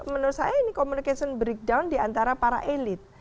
menurut saya ini communication breakdown diantara para elit